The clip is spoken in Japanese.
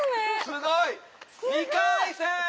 すごい！２回戦！